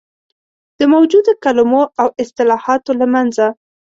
د موجودو کلمو او اصطلاحاتو له منځه.